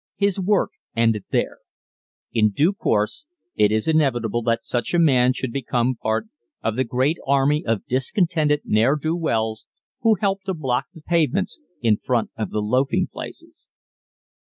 His work ended there. In due course it is inevitable that such a man should become part of the great army of discontented ne'er do wells who help to block the pavements in front of the loafing places.